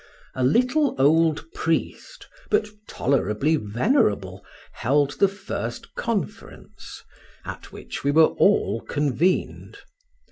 A little old priest, but tolerably venerable, held the first conference; at which we were all convened.